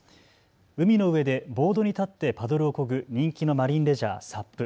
海の上でボードに立ってパドルをこぐ人気のマリンレジャー、ＳＵＰ。